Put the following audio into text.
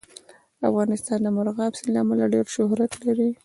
افغانستان د مورغاب سیند له امله ډېر شهرت لري.